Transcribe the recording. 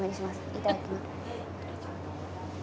いただきます。